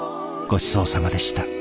ごちそうさまでした。